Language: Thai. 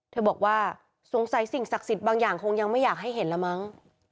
บอกว่าสงสัยสิ่งศักดิ์สิทธิ์บางอย่างคงยังไม่อยากให้เห็นแล้วมั้ง